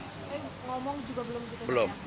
ngomong juga belum bisa